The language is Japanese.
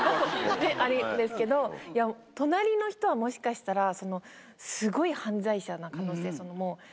ですけど隣の人はもしかしたらすごい犯罪者な可能性。